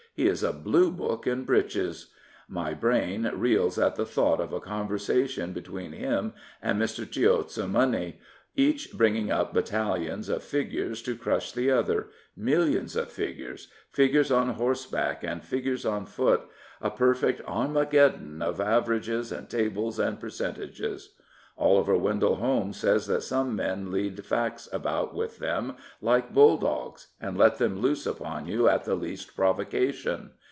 He is a Blue Book in breeches. My brain reels at the thought of a conversation between him and Mr. Chiozza Money, each bringing up battalions of figures to crush the other, millions of figures, figures on horseback and figures on foot — a perfect Armageddon of averages and tables and percentages. Oliver Wendell Holmes says that some men lead facts about with them like bulldogs, and let them loose upon you at the least provocation.